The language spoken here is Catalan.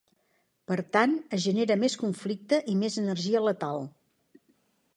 Per tant, es genera més conflicte i més energia letal.